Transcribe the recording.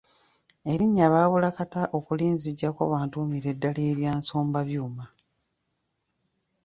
Erinnya baabula kata okulinzigyako bantuumire ddala erya 'Nsombabyuma".